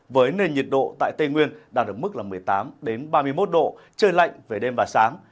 với nền nhiệt độ tại tây nguyên đang ở mức một mươi tám ba mươi một độ trời lạnh về đêm và sáng